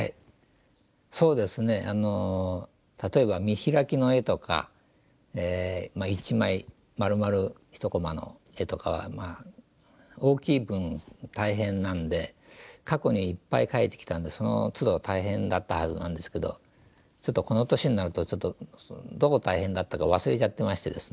そうですねあの例えば見開きの絵とか１枚まるまる１コマの絵とかは大きい分大変なんで過去にいっぱい描いてきたんでそのつど大変だったはずなんですけどちょっとこの年になるとどう大変だったか忘れちゃってましてですね。